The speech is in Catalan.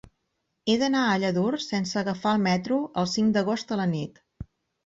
He d'anar a Lladurs sense agafar el metro el cinc d'agost a la nit.